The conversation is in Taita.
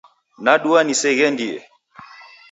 Nadua niseghendie.